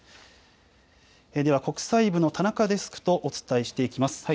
では国際部の田中デスクとお伝えしていきます。